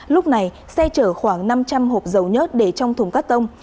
lúc này xe chở khoảng năm trăm linh hộp dầu nhớt để trong thùng cắt tông